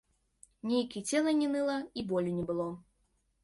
Нейк і цела не ныла, і болю не было.